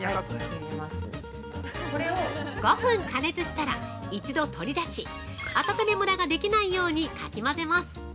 ◆５分加熱したら一度取り出し温めむらができないようにかき混ぜます！